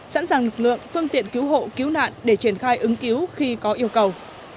sẵn sàng lực lượng phương tiện cứu hộ cứu nạn để triển khai ứng cứu khi có yêu cầu